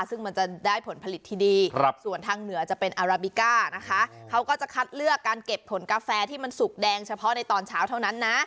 ซึ่งมันจะได้ผลผลิตที่ดีส่วนทางเหนือจะเป็นอาราบิก้านะคะเขาก็จะคัดเลือกการเก็บผลกาแฟที่มันสุกแดงเฉพาะในตอนเช้าเท่านั้นนะ